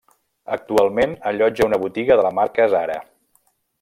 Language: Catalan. Actualment allotja una botiga de la marca Zara.